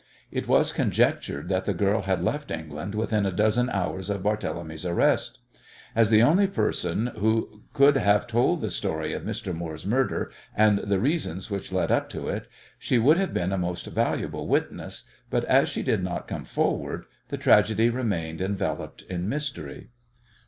It was conjectured that the girl had left England within a dozen hours of Barthélemy's arrest. As the only person who could have told the story of Mr. Moore's murder and the reasons which led up to it, she would have been a most valuable witness, but, as she did not come forward, the tragedy remained enveloped in mystery.